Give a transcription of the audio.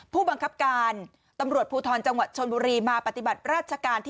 ผู้บังคับการตำรวจภูทรจังหวัดชนบุรีมาปฏิบัติราชการที่